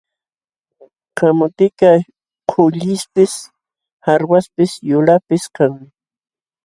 Kamutikaq kullipis, qarwaśhpis, yulaqpis kanmi.